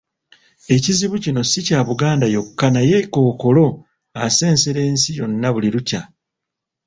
Ekizibu kino si kya Buganda yokka naye kkookolo asensera ensi yonna buli lukya.